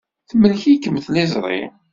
Temlek-ikem tliẓri.